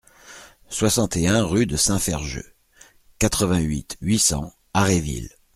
soixante et un rue de Saint-Ferjeux, quatre-vingt-huit, huit cents, Haréville